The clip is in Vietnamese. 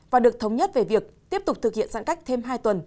và được thống nhất về việc tiếp tục thực hiện giãn cách thêm hai tuần